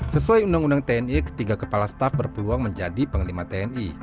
sesuai undang undang tni ketiga kepala staf berpeluang menjadi panglima tni